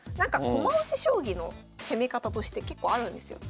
駒落ち将棋の攻め方として結構あるんですよ。